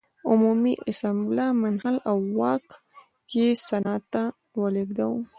عمومي اسامبله منحل او واک یې سنا ته ولېږداوه.